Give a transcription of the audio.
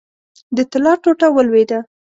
د طلا ټوټه ولوېده.